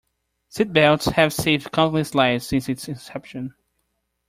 Seat belts have saved countless lives since its inception.